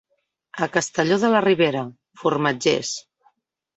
A Castelló de la Ribera, formatgers.